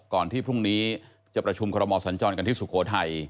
ก่อนที่พรุ่งนี้จะประชุมคอรมอสัญจรกันที่สุโขทัย